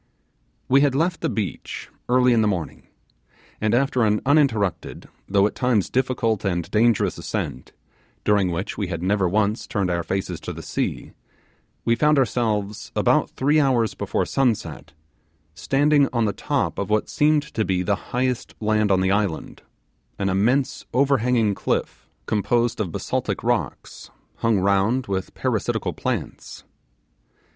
We had left the beach early in the morning, and after an uninterrupted, though at times difficult and dangerous ascent, during which we had never once turned our faces to the sea, we found ourselves, about three hours before sunset, standing on the top of what seemed to be the highest land on the island, an immense overhanging cliff composed of basaltic rocks, hung round with parasitical plants.